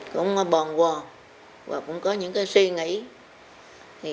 cũng bòn quò và cũng có những suy nghĩ